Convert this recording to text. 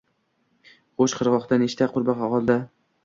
Xoʻsh, qirgʻoqda nechta qurbaqa qoldi